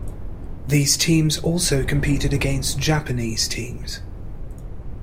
These teams also competed against Japanese teams.